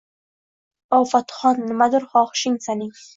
Ofatxon, nimadur xohishing saning